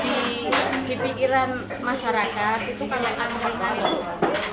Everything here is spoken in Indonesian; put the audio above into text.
dikirkan masyarakat itu kendi angkringan ianya